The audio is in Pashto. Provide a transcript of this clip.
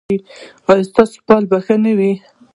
ایا ستاسو فال به ښه نه وي؟